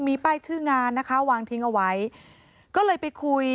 มีป้ายชื่องานนะคะวางทิ้งเอาไว้ก็เลยไปคุย